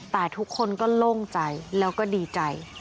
แต่ทุกคนก็โล่งใจแล้วก็ดีใจ